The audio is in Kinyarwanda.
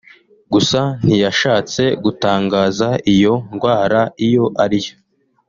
gusa ntiyashatse gutangaza iyo ndwara iyo ari yo